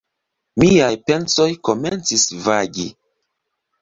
Miaj pensoj komencis vagi.